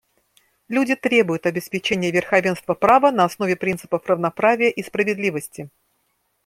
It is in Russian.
Люди требуют обеспечения верховенства права на основе принципов равноправия и справедливости.